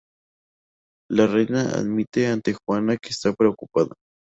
La reina admite ante Juana que está preocupada.